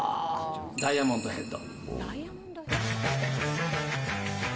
ダイアモンド・ヘッド。